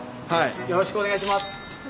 よろしくお願いします。